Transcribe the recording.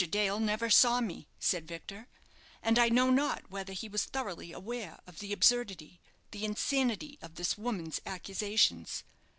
Dale never saw me," said Victor, "and I know not whether he was thoroughly aware of the absurdity, the insanity of this woman's accusations.